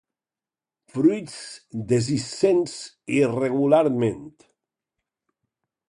Fruits dehiscents irregularment.